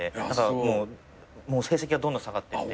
もう成績がどんどん下がってって。